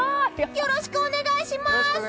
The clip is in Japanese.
よろしくお願いします！